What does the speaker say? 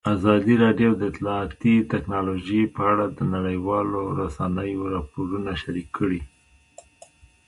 ازادي راډیو د اطلاعاتی تکنالوژي په اړه د نړیوالو رسنیو راپورونه شریک کړي.